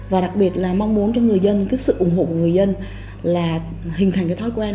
và đặc biệt là mong muốn cho người dân cái sự ủng hộ của người dân là hình thành cái thói quen